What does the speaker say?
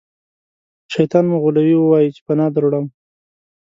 شیطان مو غولوي ووایئ چې پناه دروړم.